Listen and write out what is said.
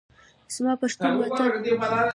زما پښتون وطن